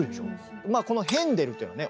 まあこのヘンデルっていうのはね